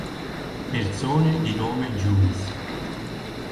Persone di nome Jules